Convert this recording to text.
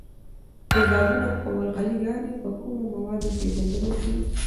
تیزابونه او القلي ګانې په کومو موادو پیژندلای شو؟